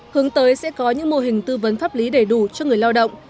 hướng tới sẽ có những mô hình tư vấn pháp lý đầy đủ cho người lao động